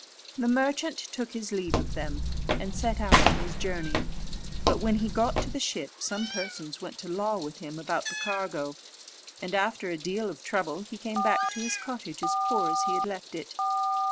The merchant took his leave of them, and set out on his journey; but when he got to the ship, some persons went to law with him about the cargo, and after a deal of trouble he came back to his cottage as poor as he had left it.